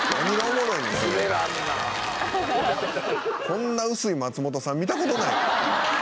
こんな薄い松本さん見た事ない。